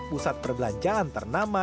pusat perbelanjaan ternama